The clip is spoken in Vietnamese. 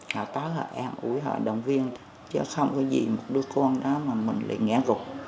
họ ta hợp ơn ủi hợp đồng viên chứ không có gì một đứa con đó mà mình lại ngã gục